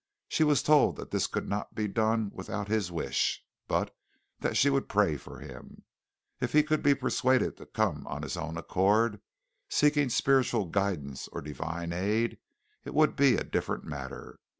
She was told that this could not be done without his wish, but that she would pray for him. If he could be persuaded to come of his own accord, seeking spiritual guidance or divine aid, it would be a different matter.